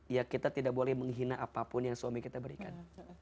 ya kita tidak boleh menghina apapun yang suami kita berikan